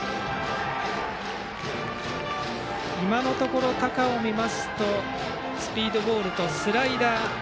今のところ、高尾を見ますとスピードボールとスライダー。